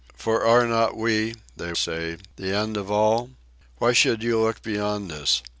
'For are not we,' they say, 'the end of all? Why should you look beyond us?